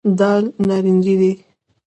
دال نارنجي دي.